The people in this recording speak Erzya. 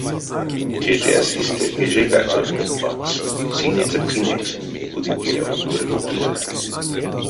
Тетясь истя кежейгадсь од нинть лангс — цийниця пинекс кудыкелев вырновтызе.